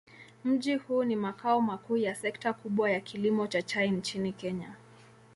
Mji huu ni makao makuu ya sekta kubwa ya kilimo cha chai nchini Kenya.